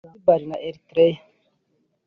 Zanzibar na Eritrea